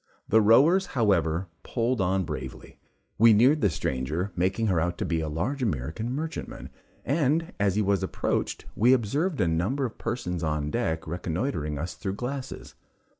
The rowers, however, pulled on bravely we neared the stranger, making her out to be a large American merchantman, and as he was approached, we observed a number of persons on deck reconnoitring us through glasses.